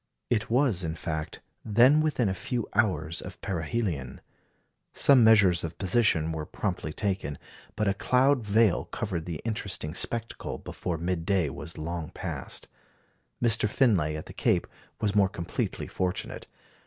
It was, in fact, then within a few hours of perihelion. Some measures of position were promptly taken; but a cloud veil covered the interesting spectacle before mid day was long past. Mr. Finlay at the Cape was more completely fortunate.